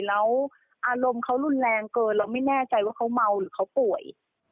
แล้วอารมณ์เขารุนแรงเกินเราไม่แน่ใจว่าเขาเมาหรือเขาป่วย